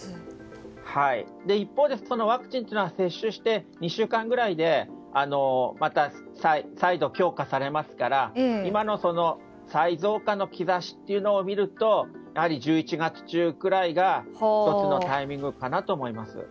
一方でワクチンは接種してから２週間ぐらいでまた、再度強化されますから今の再増加の兆しを見るとやはり１１月中ぐらいが１つのタイミングかなと思います。